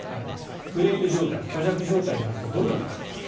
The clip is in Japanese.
フレイル状態、虚弱状態になるとどうなるか。